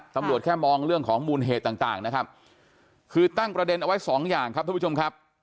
ตำรวจแค่มองเรื่องของมูลเหตุต่างต่างนะครับคือตั้งประเด็นเอาไว้สองอย่างครับทุกผู้ชมครับ